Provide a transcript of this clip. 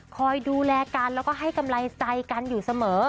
คอยดูแลกันแล้วก็ให้กำลังใจกันอยู่เสมอ